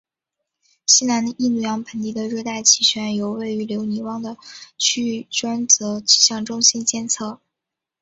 西南印度洋盆地的热带气旋由位于留尼汪的区域专责气象中心监测。